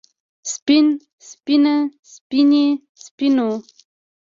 سپين سپينه سپينې سپينو